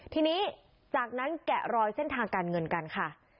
ทีนี้จากนั้นแกะรอยเส้นทางการเงินกันค่ะ